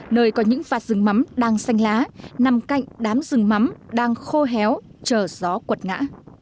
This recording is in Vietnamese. nơi có những vạt rừng mắm đang xanh lá nằm cạnh đám rừng mắm đang khô héo chờ gió quật ngã